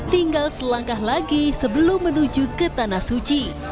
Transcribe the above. tinggal selangkah lagi sebelum menuju ke tanah suci